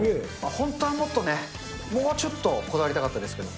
本当はもっとね、もうちょっとこだわりたかったんですけど。